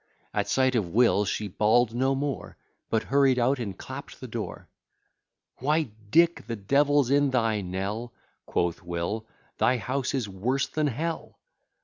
At sight of Will she bawl'd no more, But hurried out and clapt the door. Why, Dick! the devil's in thy Nell, (Quoth Will,) thy house is worse than Hell.